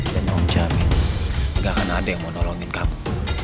dan aku jamin gak akan ada yang mau nolongin kamu